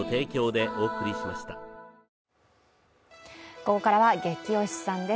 ここからはゲキ推しさんです。